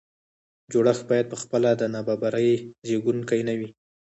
جوړښت باید په خپله د نابرابرۍ زیږوونکی نه وي.